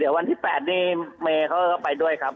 วันที่๘นี่เมย์เขาก็ไปด้วยครับ